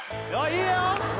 いいよ！